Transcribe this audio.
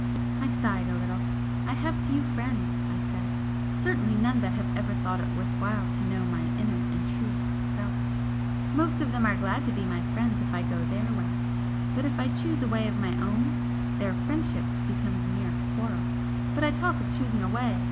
I sighed a little. "I have few friends," I said "Certainly none that have ever thought it worth while to know my inner and truest self. Most of them are glad to be my friends if I go THEIR way but if I choose a way of my own their 'friendship' becomes mere quarrel. But I talk of choosing a way!